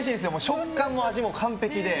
食感も味も完璧で。